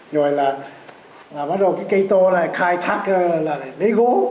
rồi là bắt đầu cái cây to là khai thác lấy gỗ